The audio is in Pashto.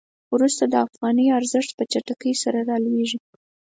وروسته د افغانۍ ارزښت په چټکۍ سره رالویږي.